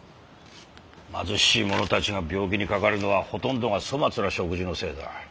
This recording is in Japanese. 貧しい者たちが病気にかかるのはほとんどが粗末な食事のせいだ。